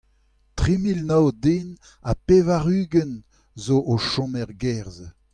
Tri mil nav den ha pevar-ugent zo o chom er gêr-se.